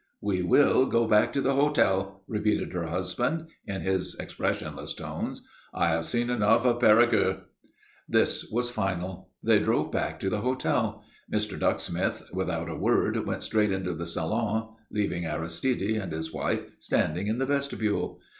"We will go back to the hotel," repeated her husband, in his expressionless tones. "I have seen enough of Perigueux." This was final. They drove back to the hotel. Mr. Ducksmith, without a word, went straight into the salon, leaving Aristide and his wife standing in the vestibule.